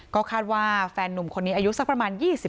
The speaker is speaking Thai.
ก็คาดว่าแฟนนุ่มคนนี้อายุสักประมาณ๒๐